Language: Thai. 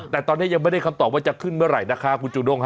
แต่ตอนนี้ยังไม่ได้คำตอบว่าจะขึ้นเมื่อไหร่นะคะคุณจูด้ง